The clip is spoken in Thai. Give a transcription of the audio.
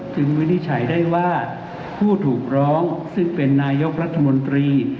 วินิจฉัยได้ว่าผู้ถูกร้องซึ่งเป็นนายกรัฐมนตรี